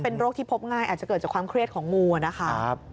โรคที่พบง่ายอาจจะเกิดจากความเครียดของงูนะคะ